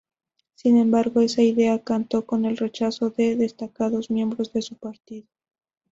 Sin embargo, esa idea contó con el rechazo de destacados miembros de su partido.